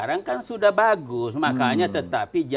yang ingin memiliki banyakfta kerja di awam